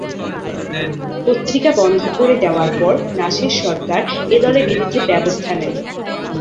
পত্রিকা বন্ধ করে দেয়ার পর নাসের সরকার এ দলের বিরুদ্ধে ব্যবস্থা নেন।